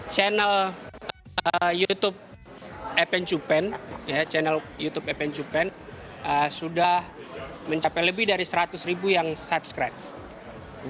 channel youtube evan cupan ya channel youtube evan cupan sudah mencapai lebih dari seratus ribu yang subscribe